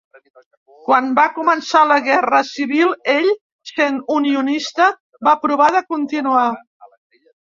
Quan va començar la Guerra Civil, ell, sent unionista, va provar de continuar.